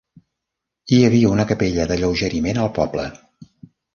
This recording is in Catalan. Hi havia una capella d'alleugeriment al poble.